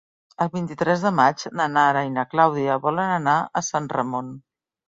El vint-i-tres de maig na Nara i na Clàudia volen anar a Sant Ramon.